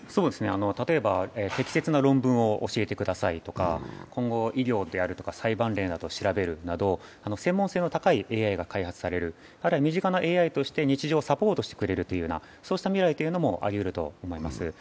例えば適切な論文を教えてくださいとか、今後、医療とかの裁判例などを調べるなど専門性の高いＡＩが開発される、あるいは身近なＡＩとして日常をサポートしてくれるという未来もあると思います。